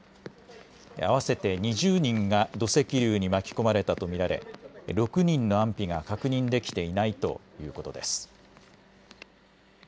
合わせて２０人が土石流に巻き込まれたと見られ６人の安否が確認できていないということです。